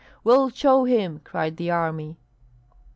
"We'll show him!" cried the army.